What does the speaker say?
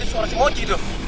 bos itu suara si mochi tuh